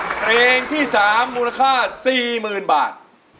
เพลงที่๓มูลค่า๔๐๐๐บาท